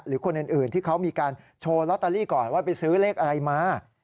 หรือคนอื่นที่เขามีการโชว์ลอตเตอรี่ก่อนว่าไปซื้อเลขอะไรมา